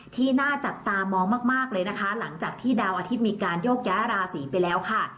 ที่น่าจับตามองมากเลยนะคะหลังจากที่ดาวอาทิตย์มีการโยกย้ายราศีไปแล้วค่ะ